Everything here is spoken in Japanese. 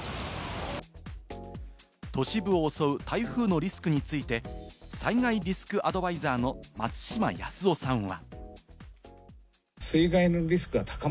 都市部を襲う台風のリスクについて、災害リスクアドバイザーの松島康生さんは。